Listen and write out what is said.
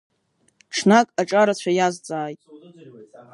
Ҽнак аҿарацәа иазҵааит…